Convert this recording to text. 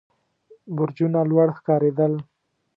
برجونه لوړ ښکارېدل.